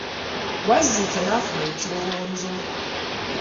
Wazzike n'afuna ekirowoozo.